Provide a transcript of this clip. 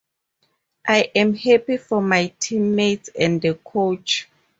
I am happy for my teammates and the coach.